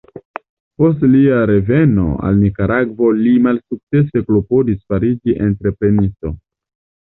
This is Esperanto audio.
Post lia reveno al Nikaragvo li malsukcese klopodis fariĝi entreprenisto.